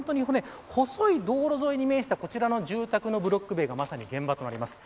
細い道路沿いに面したこちらのブロック塀がまさに現場となります。